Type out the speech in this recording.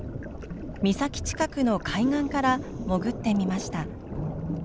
岬近くの海岸から潜ってみました。